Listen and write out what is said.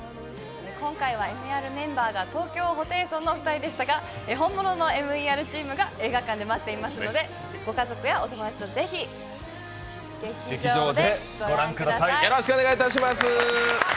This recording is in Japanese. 今回はＭＥＲメンバーは東京ホテイソンチームでしたが本物のＭＥＲチームが映画館で待っていますのでご家族やお友達とぜひ、劇場でご覧ください。